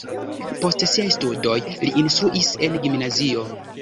Post siaj studoj li instruis en gimnazio.